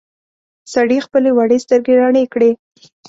سړي خپلې وړې سترګې رڼې کړې.